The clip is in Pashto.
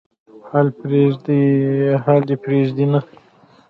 حال پرېږدي نه.